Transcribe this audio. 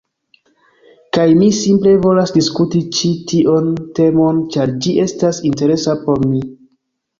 Kaj mi simple volas diskuti ĉi tion temon ĉar ĝi estas interesa por mi.